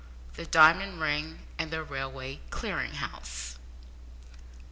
THE DIAMOND RING AND THE RAILWAY CLEARING HOUSE.